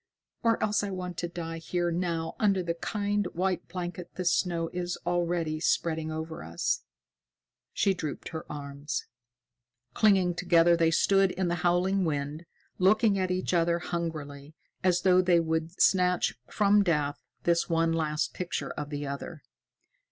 Or else I want to die here now under the kind, white blanket the snow is already spreading over us." She drooped in his arms. Clinging together, they stood in the howling wind, looking at each other hungrily, as though they would snatch from death this one last picture of the other.